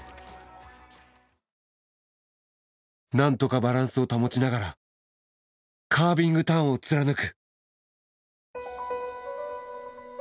なんとかバランスを保ちながらカービングターンを貫く。